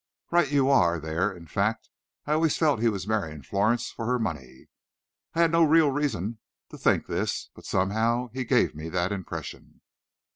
"Right you are, there! In fact, I always felt he was marrying Florence for her money. I had no real reason to think this, but somehow he gave me that impression."